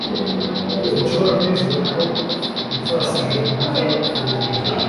Sinshobora kwizera ko uzasaba Mariya kurongora